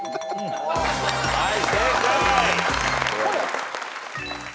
はい。